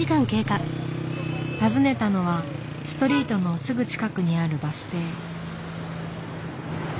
訪ねたのはストリートのすぐ近くにあるバス停。